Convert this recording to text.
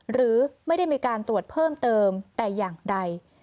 หรือไม่ได้มีการตรวจเพิ่มเติมแต่อย่างใด